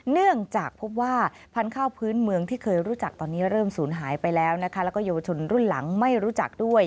เนื่องจากพบว่าพันธุ์ข้าวพื้นเมืองที่เคยรู้จักตอนนี้เริ่มสูญหายไปแล้วนะคะแล้วก็เยาวชนรุ่นหลังไม่รู้จักด้วย